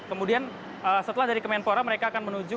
kemudian setelah dari kemenpora mereka akan menuju